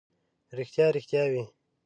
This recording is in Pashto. ریښتیا، ریښتیا وي.